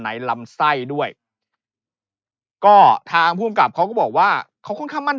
ในลำไส้ด้วยก็ทางภูมิกับเขาก็บอกว่าเขาค่อนข้างมั่น